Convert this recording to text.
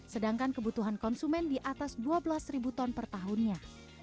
sedangkan kebutuhan konsumen di atas dua belas ton per tahunnya